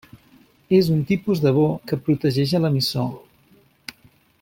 És un tipus de bo que protegeix a l'emissor.